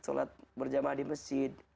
solat berjamah di masjid